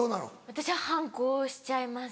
私反抗しちゃいます。